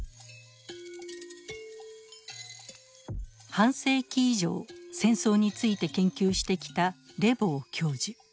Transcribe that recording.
半世紀以上戦争について研究してきたレボー教授。